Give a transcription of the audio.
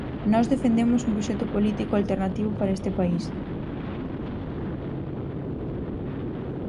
Nós defendemos un proxecto político alternativo para este país.